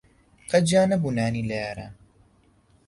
قەت جیا نەبوو نانی لە یاران